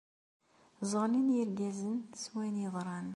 Zeɣlen yergazen s wayen yeḍran